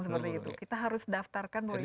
seperti itu kita harus daftarkan bahwa ini